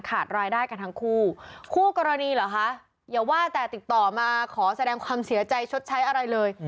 ขาดรายได้กันทั้งคู่คู่กรณีเหรอคะอย่าว่าแต่ติดต่อมาขอแสดงความเสียใจชดใช้อะไรเลย